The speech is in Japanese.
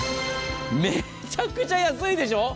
めちゃくちゃ安いでしょ。